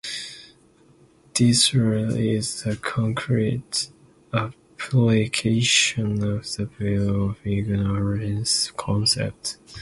This rule is a concrete application of the veil of ignorance concept.